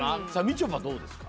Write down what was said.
ちょぱどうですか？